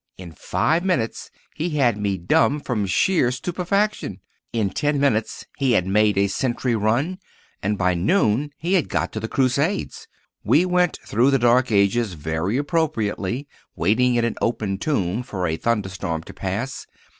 In five minutes he had me dumb from sheer stupefaction. In ten minutes he had made a century run, and by noon he had got to the Crusades. We went through the Dark Ages very appropriately, waiting in an open tomb for a thunderstorm to pass.